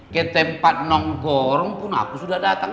ke tempat nongkorong pun aku sudah datang